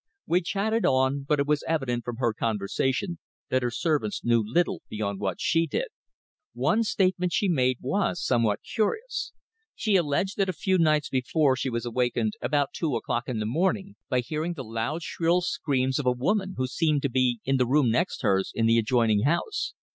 We chatted on, but it was evident from her conversation that her servants knew little beyond what she did. One statement she made was somewhat curious. She alleged that a few nights before she was awakened about two o'clock in the morning by hearing the loud shrill screams of a woman who seemed to be in the room next hers in the adjoining house.